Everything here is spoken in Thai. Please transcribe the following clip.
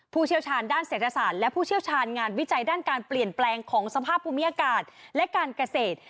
เชี่ยวชาญด้านเศรษฐศาสตร์และผู้เชี่ยวชาญงานวิจัยด้านการเปลี่ยนแปลงของสภาพภูมิอากาศและการเกษตร